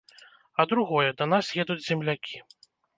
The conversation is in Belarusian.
А другое, да нас едуць землякі.